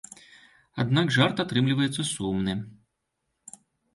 Аднак жарт атрымліваецца сумны.